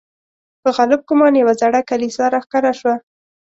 په غالب ګومان یوه زړه کلیسا را ښکاره شوه.